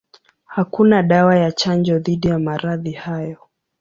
Hakuna dawa ya chanjo dhidi ya maradhi hayo.